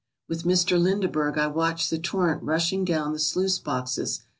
With Mr. Lindeberg I watched the torrent rushing down the sluice boxes.